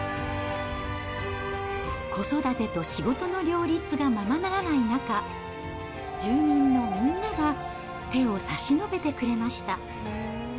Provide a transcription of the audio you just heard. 子育てと仕事の両立がままならない中、住民のみんなが手を差し伸べてくれました。